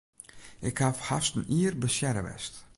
Ik haw hast in jier blessearre west.